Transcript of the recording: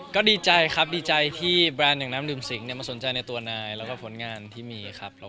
ก็ดีใจที่แบรนด์แสน้ำดื่มสิงมาสนใจในตัวนายและผลงานที่มี